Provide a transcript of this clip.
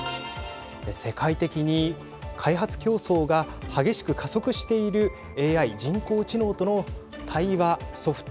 世界的に開発競争が激しく加速しているＡＩ＝人工知能との対話ソフト。